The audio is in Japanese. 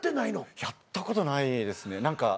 やったことないですね。